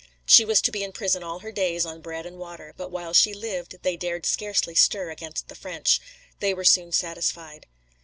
She was to be in prison all her days, on bread and water, but while she lived they dared scarcely stir against the French. They were soon satisfied.